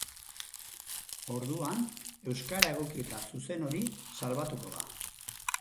Orduan euskara egoki eta zuzen hori salbatuko da.